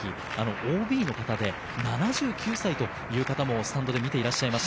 ＯＢの方で７９歳という方もスタンドで見ています。